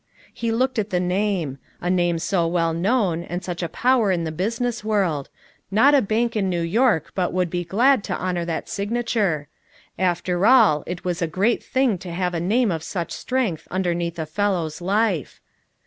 He looked at the name; a name so well known and such a power in the business world! not a bank in New York but would be glad to honor that signature; after all it was a great thing to have a name of such strength underneath a fellow's life.